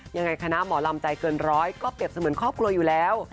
ยังไงคณะหมอลำใจเกินร้อยก็เปรียบเสมือนครอบครัวอยู่แล้ว